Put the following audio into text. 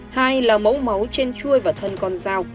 hai là mẫu máu trên chuôi và thân con dao